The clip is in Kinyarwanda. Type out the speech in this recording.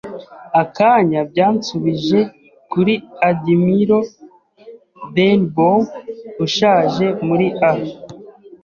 akanya byansubije kuri Admiral Benbow ushaje muri a